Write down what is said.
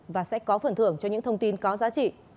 và sẽ có phần thưởng cho những thông tin có giá trị